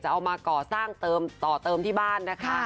เอามาก่อสร้างต่อเติมที่บ้านนะคะ